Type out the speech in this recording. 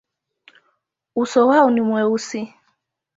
Uso wao ni mweusi.